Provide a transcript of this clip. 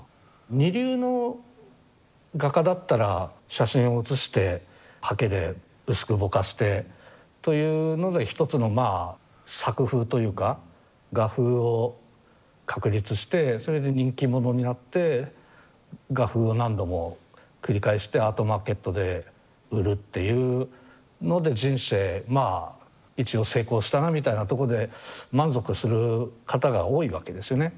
二流の画家だったら写真を写して刷毛で薄くぼかしてというので一つのまあ作風というか画風を確立してそれで人気者になって画風を何度も繰り返してアートマーケットで売るっていうので人生まあ一応成功したなみたいなとこで満足する方が多いわけですね。